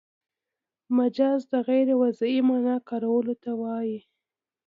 مجاز د غیر وضعي مانا کارولو ته وايي.